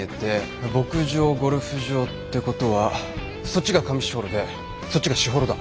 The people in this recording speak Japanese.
牧場ゴルフ場ってことはそっちが上士幌でそっちが士幌だ。